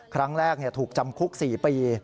ครั้งแรกถูกจำคุก๔ปี